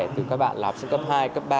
từ các bạn là học sinh cấp hai cấp ba